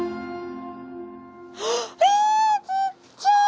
えっちっちゃい！